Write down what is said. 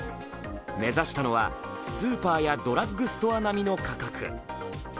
目指したのはスーパーやドラッグストア並みの価格。